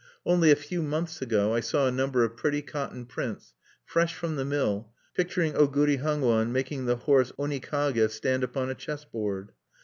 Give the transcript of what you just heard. Only a few months ago, I saw a number of pretty cotton prints, fresh from the mill, picturing Oguri Hangwan making the horse Onikage stand upon a chessboard.